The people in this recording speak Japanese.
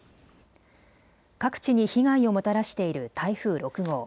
各地に被害をもたらしている台風６号。